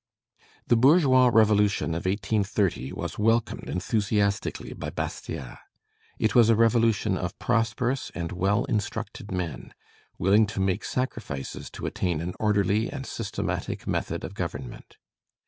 The bourgeois revolution of 1830 was welcomed enthusiastically by Bastiat. It was a revolution of prosperous and well instructed men, willing to make sacrifices to attain an orderly and systematic method of government.